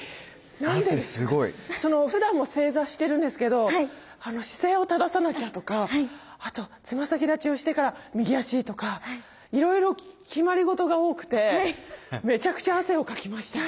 汗すごい。ふだんも正座してるんですけど姿勢を正さなきゃとかあとつま先立ちをしてから右足とかいろいろ決まり事が多くてめちゃくちゃ汗をかきました。